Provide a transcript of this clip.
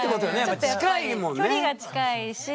距離が近いし。